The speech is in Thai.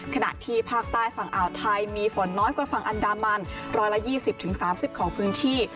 ขณะที่ภาคใต้ฝั่งอ่าวไทยมีฝนน้อยกว่าฝั่งอันดามัน๑๒๐๓๐ของพื้นที่